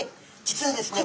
実はですね